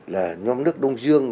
là nhóm nước đông dương